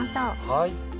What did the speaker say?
はい。